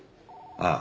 ああ。